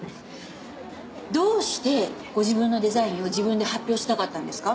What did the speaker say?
どうしてご自分のデザインを自分で発表しなかったんですか？